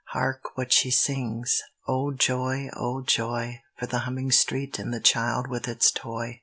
Hark what she sings: "O joy, O joy, For the humming street, and the child with its toy